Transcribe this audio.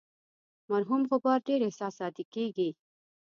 مرحوم غبار ډیر احساساتي کیږي.